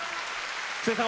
布施さん